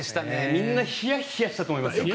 みんなヒヤヒヤしたと思いますよ。